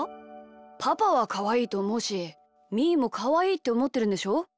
パパはかわいいとおもうしみーもかわいいっておもってるんでしょ？